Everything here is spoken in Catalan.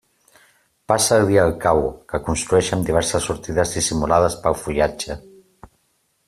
Passa el dia al cau, que construeix amb diverses sortides dissimulades pel fullatge.